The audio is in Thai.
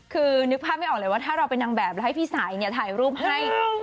คือนึกภาพไม่ออกเลยว่าถ้าเราเป็นนางแบบแล้วให้พี่สายเนี่ยถ่ายรูปให้